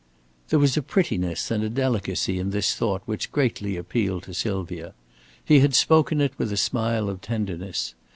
There was a prettiness and a delicacy in this thought which greatly appealed to Sylvia. He had spoken it with a smile of tenderness.